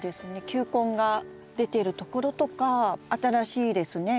球根が出ているところとか新しいですね